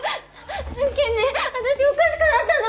健二私おかしくなったの！？